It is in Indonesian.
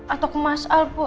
atau ke mas al bu